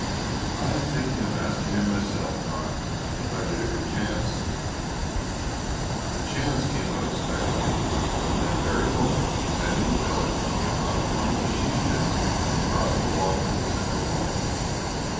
"I am thinking of asking him myself, Don, if I get a good chance." The chance came unexpectedly, for at that very moment Sandy McCulloch came out of one of the sheep pens and crossed the walk to the central barn.